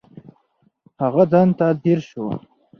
هغه ځان ته ځیر شو.